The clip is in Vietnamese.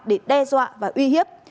để đe dọa và uy hiếp